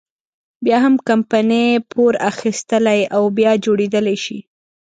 بيا هم کمپنۍ پور اخیستلی او بیا جوړېدلی شي.